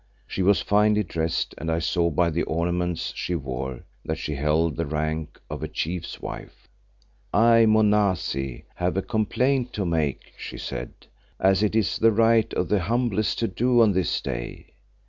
She was finely dressed and I saw by the ornaments she wore that she held the rank of a chief's wife. "I, Monazi, have a complaint to make," she said, "as it is the right of the humblest to do on this day.